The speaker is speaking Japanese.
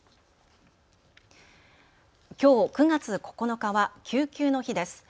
きょう９月９日は救急の日です。